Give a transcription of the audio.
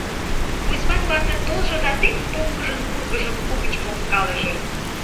Кузьман вате толжо да тек поҥгыжын вургыжым угыч погкалыже.